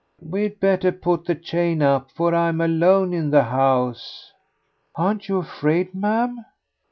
"We'd better put the chain up, for I'm alone in the house." "Aren't you afraid, ma'am?"